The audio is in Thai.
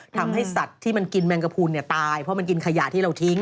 ทำให้สัตว์ที่มันกินแมงกระพูนตายเพราะมันกินขยะที่เราทิ้ง